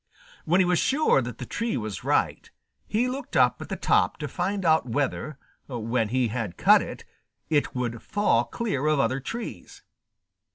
When he was sure that the tree was right, he looked up at the top to find out whether, when he had cut it, it would fall clear of other trees.